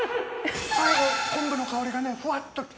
最後昆布の香りがねふわっと来て。